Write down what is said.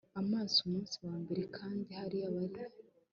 amaso umunsi wambere kandi hariya bari